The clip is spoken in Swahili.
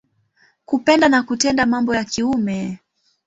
Kupenda na kutenda mambo ya kiume.